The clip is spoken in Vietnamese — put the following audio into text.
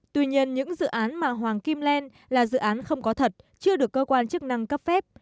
tuy nhiên những dự án mà hoàng kim len là dự án không có thật chưa được cơ quan chức năng cấp phép